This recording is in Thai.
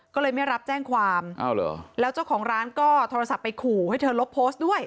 ก็เลยไม่รับแจ้งความแล้วเจ้าของร้านก็โทรศัพท์ไปขู่ให้เธอลบโพสต์ด้วย